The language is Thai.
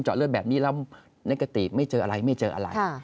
เจาะเลือดแบบนี้แล้วแน็กเกอร์ตีปไม่เจออะไรไม่เจออะไร